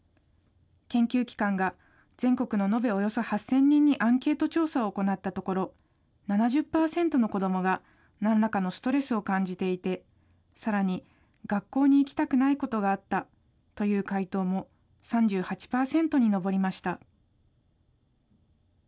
研究機関が、全国の延べおよそ８０００人にアンケート調査を行ったところ、７０％の子どもがなんらかのストレスを感じていて、さらに学校に行きたくないことがあったという回答も３８％に上りました。